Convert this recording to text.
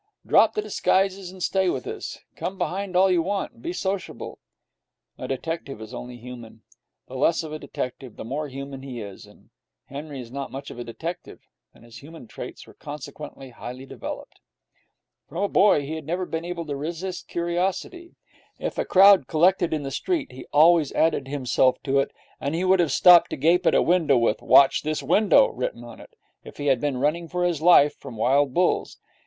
Drop the disguises, and stay with us. Come behind all you want, and be sociable.' A detective is only human. The less of a detective, the more human he is. Henry was not much of a detective, and his human traits were consequently highly developed. From a boy, he had never been able to resist curiosity. If a crowd collected in the street he always added himself to it, and he would have stopped to gape at a window with 'Watch this window' written on it, if he had been running for his life from wild bulls.